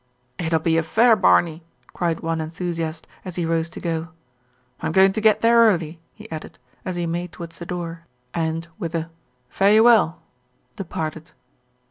"It'll be a fair barney," cried one enthusiast, as he rose to go. "I'm going to get there early," he added, as he made towards the door and, with a "fare you well," departed.